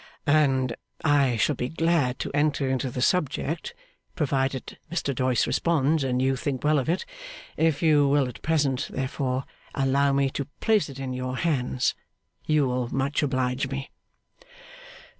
' And I shall be glad to enter into the subject, provided Mr Doyce responds, and you think well of it. If you will at present, therefore, allow me to place it in your hands, you will much oblige me.